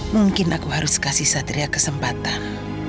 mungkin aku harus kasih satria kesempatan